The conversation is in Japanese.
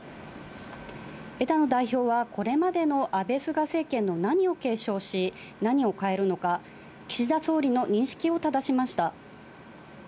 枝野代表は、これまでの安倍、菅政権の何を継承し、何を変えるのか、岸田総理の認識をただしました。